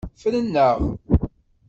Fren-aɣ!